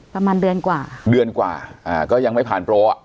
ประมาณเดือนกว่าเดือนกว่าอ่าก็ยังไม่ผ่านโปรอ่ะ